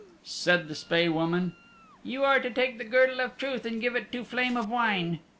Said the Spae Woman, "You are to take the Girdle of Truth and give it to Flame of Wine.